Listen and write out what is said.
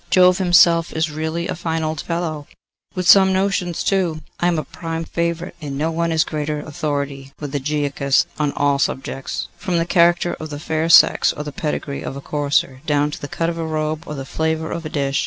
Jove himself is really a fine old fellow, with some notions too. I am a prime favourite, and no one is greater authority with Ægiochus on all subjects, from the character of the fair sex or the pedigree of a courser, down to the cut of a robe or the flavour of a dish.